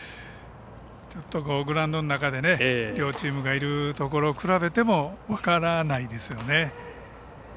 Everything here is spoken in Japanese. ちょっとグラウンドの中で両チームがいるところを比べても分からないですよね。